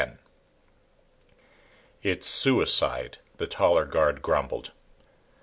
X "It's suicide," the taller guard grumbled.